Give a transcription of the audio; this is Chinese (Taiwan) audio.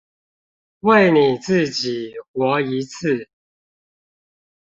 為你自己活一次